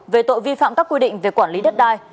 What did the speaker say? về tội vi phạm các quy định về quản lý đất đai